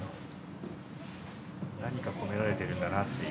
何か込められてるんだなっていう。